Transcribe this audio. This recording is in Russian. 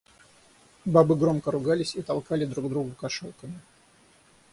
Бабы громко ругались и толкали друг друга кошелками.